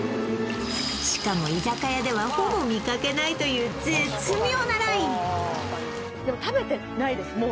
しかも居酒屋ではほぼ見かけないという絶妙なライン食べてないです